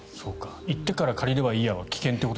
行ってから借りればいいやは危険という。